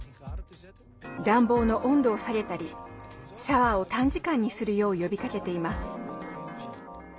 暖房の温度を下げたりシャワーを短時間にするよう呼びかけています。